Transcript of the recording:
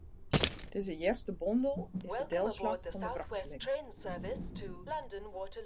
Dizze earste bondel is de delslach fan de wrakseling.